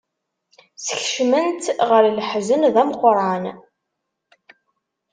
Skecmen-tt ɣer leḥzen d ameqran.